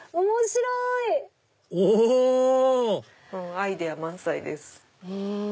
アイデア満載です。